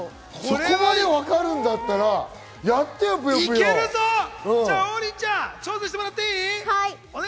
そこまで分かるんだったら、やってよ『ぷよりんご』！王林ちゃん、挑戦してもらっていい？